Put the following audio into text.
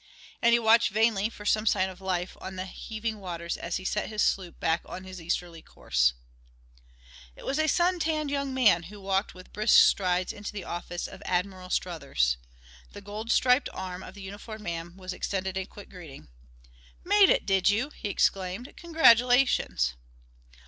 And he watched vainly for some sign of life on the heaving waters as he set his sloop back on her easterly course. It was a sun tanned young man who walked with brisk strides into the office of Admiral Struthers. The gold striped arm of the uniformed man was extended in quick greeting. "Made it, did you?" he exclaimed. "Congratulations!"